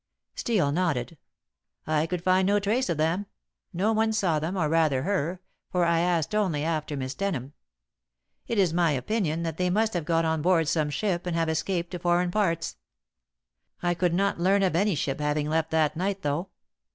Steel nodded. "I could find no trace of them. No one saw them, or rather her, for I asked only after Miss Denham. It is my opinion that they must have got on board some ship, and have escaped to foreign parts. I could not learn of any ship having left that night, though.